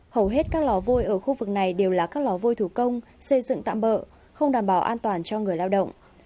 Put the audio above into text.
hầu hết các lò vôi ở khu vực này đều là các lò vôi thủ công xây dựng tạm bỡ không đảm bảo an toàn cho người lao động